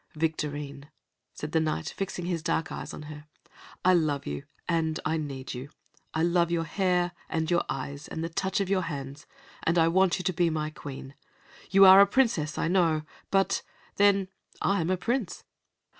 "Victorine," said the Knight, fixing his dark eyes on her, "I love you, and I need you. I love your hair and your eyes and the touch of your hands, and I want you to be my queen. You are a princess, I know, but then I am a prince."